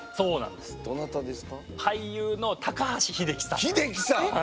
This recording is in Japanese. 俳優の高橋英樹さん。